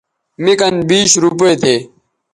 مے کن بیش روپے تھے